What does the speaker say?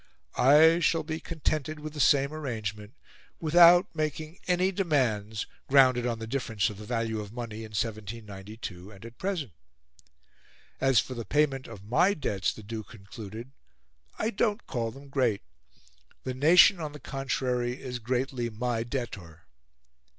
I shall be contented with the same arrangement, without making any demands grounded on the difference of the value of money in 1792 and at present. As for the payment of my debts," the Duke concluded, "I don't call them great. The nation, on the contrary, is greatly my debtor."